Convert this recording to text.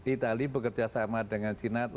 itali bekerja sama dengan china